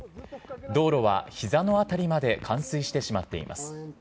道路はひざの辺りまで冠水してしまっています。